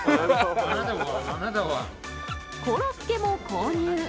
コロッケも購入。